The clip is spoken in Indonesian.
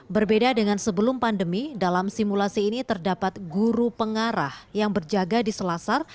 berbeda dengan sebelum pandemi dalam simulasi ini terdapat guru pengarah yang berjaga di selasar